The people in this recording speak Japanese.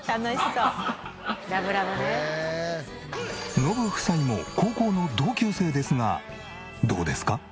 ノブ夫妻も高校の同級生ですがどうですか？